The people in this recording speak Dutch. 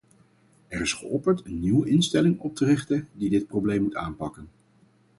Er is geopperd een nieuwe instelling op te richten die dit probleem moet aanpakken.